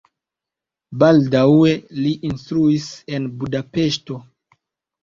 Baldaŭe li instruis en Budapeŝto.